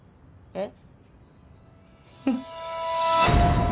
えっ？